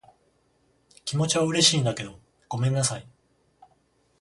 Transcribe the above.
気持ちは嬉しいんだけど、ごめんなさい。